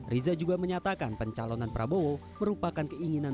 riza juga menyatakan pencalonan prabowo merupakan keinginan